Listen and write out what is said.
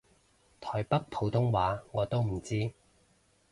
台北普通話我都唔知